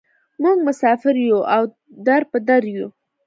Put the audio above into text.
موږ مسافر یوو او در په در یوو.